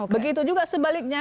begitu juga sebaliknya